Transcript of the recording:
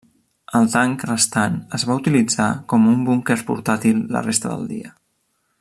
El tanc restant es va utilitzar com un búnquer portàtil la resta del dia.